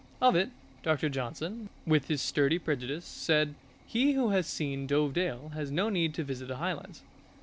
Of it, Doctor Johnson, with his sturdy prejudice, said: "He who has seen Dove Dale has no need to visit the Highlands."